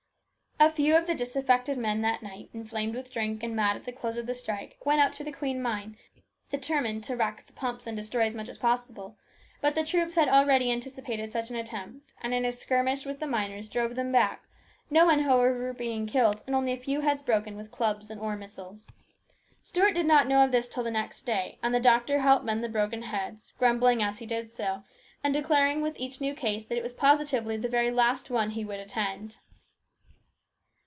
A few of the disaffected men that night, inflamed with drink and mad at the close of the strike, went up to the Queen mine determined to wreck the pumps and destroy as much as possible ; but the troops had already anticipated such an attempt, and, in a skirmish with the miners, drove them back, no one, however, being killed, and only a few heads broken with clubs and ore missiles. Stuart did not know of 18 274 HIS BROTHER'S KEEPER. this until the next day, and the doctor helped mend the broken heads, grumbling as he did so, and declaring with each new case that it was positively the very last one he would attend.